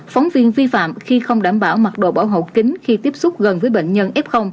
phóng viên vi phạm khi không đảm bảo mặc đồ bảo hộ kính khi tiếp xúc gần với bệnh nhân f